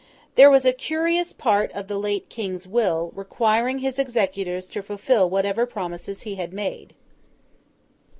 There was a curious part of the late King's will, requiring his executors to fulfil whatever promises he had made.